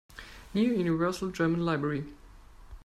New Universal German Library.